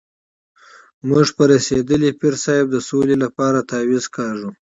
موږ په رسېدلي پیر صاحب د سولې لپاره تعویض کاږو.